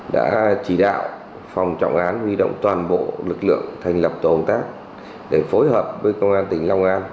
đã chỉ đạo phòng trọng án huy động toàn bộ lực lượng thành lập tổ công tác để phối hợp với công an tỉnh long an